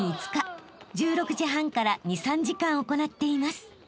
［１６時半から２３時間行っています］